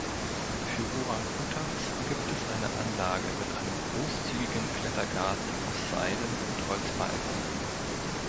Für Orang-Utans gibt es eine Anlage mit einem großzügigen Klettergarten aus Seilen und Holzbalken.